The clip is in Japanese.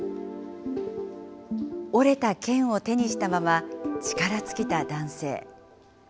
折れた剣を手にしたまま、力尽きた男性。